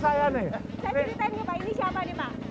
saya ceritain ke pak ini siapa nih pak